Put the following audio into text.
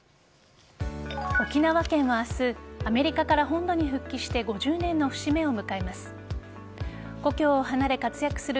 沖縄県は明日アメリカから本土に復帰して５０年の節目を迎えます。